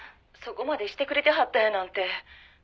そこまでしてくれてはったやなんて」